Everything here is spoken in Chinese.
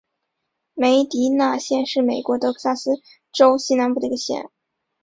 梅迪纳县是美国德克萨斯州西南部的一个县。